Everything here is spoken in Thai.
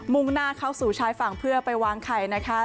่งหน้าเข้าสู่ชายฝั่งเพื่อไปวางไข่นะคะ